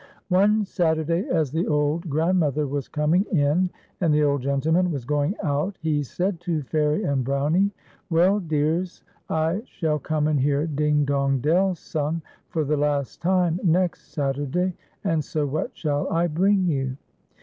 One Saturday, as the old grandmother was coming in and the old gentleman was going out, he said to Fairie and Brownie: "Well. 172 FAIRIE AND BROWNIE. dears, 1 shall come and hear 'Ding , dong, dell' sun^,^ for the last time next Saturday, and so what shall I bring you